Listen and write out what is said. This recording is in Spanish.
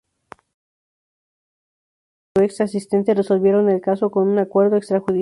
Finalmente, el deportista y su ex asistente resolvieron el caso con acuerdo extrajudicial.